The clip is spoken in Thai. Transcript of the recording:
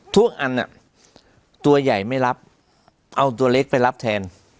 ทุกอันตัวใหญ่ไม่รับเอาตัวเล็กไปรับแทน